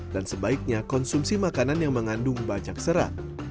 dan sebaiknya konsumsi makanan yang mengandung banyak serat